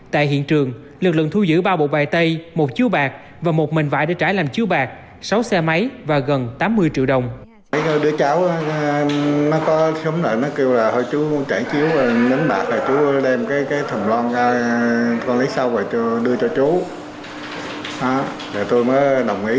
tại hiện trường lực lượng thu giữ ba bộ bài tay một chiếu bạc và một mình vải để trái làm chiếu bạc sáu xe máy và gần tám mươi triệu đồng